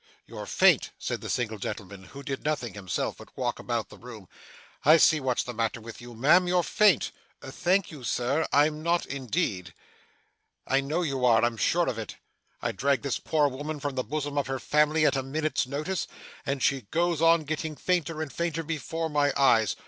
'You're faint,' said the single gentleman, who did nothing himself but walk about the room. 'I see what's the matter with you, ma'am. You're faint.' 'Thank you, sir, I'm not indeed.' 'I know you are. I'm sure of it. I drag this poor woman from the bosom of her family at a minute's notice, and she goes on getting fainter and fainter before my eyes.